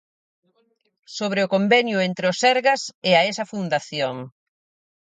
Sobre o convenio entre o Sergas e a esa Fundación.